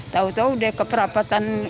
tahu tahu udah ke perapatan kebun kasang